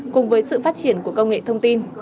cùng với sự phát triển của công nghệ thông tin